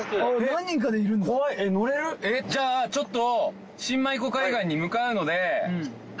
じゃあちょっと。